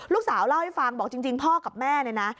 ลูกสาวเล่าให้ฟังบอกจริงพ่อกับแม่เนี่ยนะ